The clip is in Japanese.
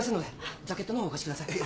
ジャケットのほうをお貸しください。